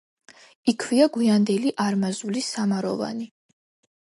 იქვეა გვიანდელი არმაზული სამაროვანი.